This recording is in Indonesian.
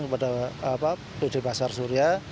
kepada bd pasar suria